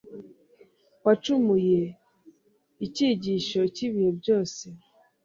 wacumuye icyigisho cy’ibihe byose.